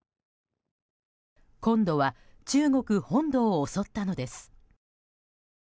今度は中国本土を襲ったのです。